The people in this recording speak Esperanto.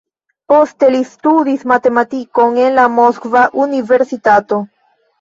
Poste li studis matematikon en la Moskva Universitato.